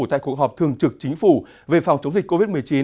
tại cuộc họp thường trực chính phủ về phòng chống dịch covid một mươi chín